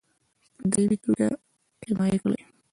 په دایمي توګه حمایه کړي.